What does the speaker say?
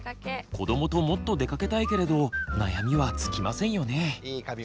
子どもともっと出かけたいけれど悩みは尽きませんよね。